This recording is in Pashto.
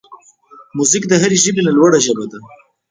موزیک د هر ژبې نه لوړه ژبه ده.